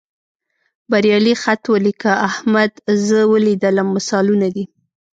بریالي خط ولیکه، احمد زه ولیدلم مثالونه دي.